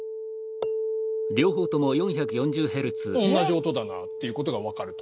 同じ音だなっていうことが分かると。